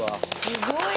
すごい。